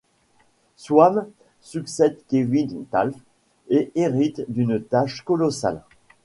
Swann succède Kevin Taft et hérite d'une tâche colossale.